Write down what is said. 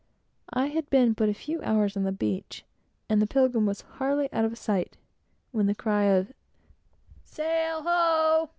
I had been but a few hours on the beach, and the Pilgrim was hardly out of sight, when the cry of "Sail ho!"